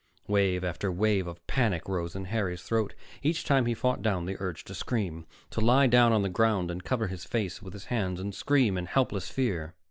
Wave after wave of panic rose in Harry's throat. Each time he fought down the urge to scream, to lie down on the ground and cover his face with his hands and scream in helpless fear.